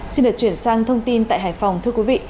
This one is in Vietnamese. xin được chuyển sang thông tin tại hải phòng thưa quý vị